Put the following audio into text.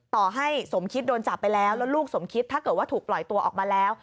ต่อให้สมคิดโดนจับไปแล้วแล้วลูกสมคิดถ้าเกิดว่าถูกปล่อยตัวออกมาแล้ว